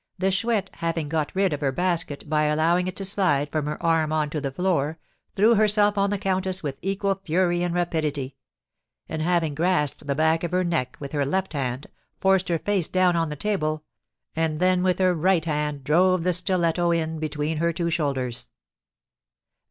The Chouette having got rid of her basket by allowing it to slide from her arm onto the floor, threw herself on the countess with equal fury and rapidity; and having grasped the back of her neck with her left hand, forced her face down on the table, and then with her right hand drove the stiletto in between her two shoulders.